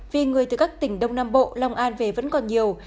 vì người từ các tỉnh đông nam bộ long an về vẫn còn nhiều